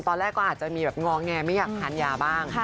ตอนแรกก็อาจจะมีแบบงอแงไม่อยากทานยาบ้าง